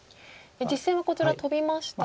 実戦はこちらトビましたが。